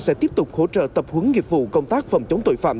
sẽ tiếp tục hỗ trợ tập huấn nghiệp vụ công tác phòng chống tội phạm